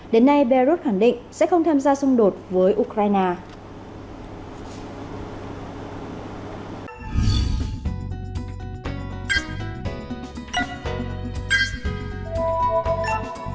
đến nay belarus khẳng định sẽ không tham gia xung đột với ukraine